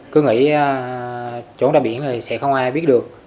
cứ nghĩ trốn ra biển thì sẽ không ai biết được